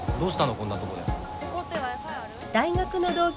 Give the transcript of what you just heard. こんなとこで。